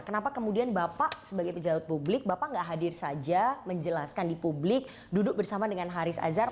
kenapa kemudian bapak sebagai pejabat publik bapak nggak hadir saja menjelaskan di publik duduk bersama dengan haris azhar